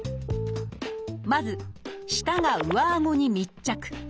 まず舌が上あごに密着。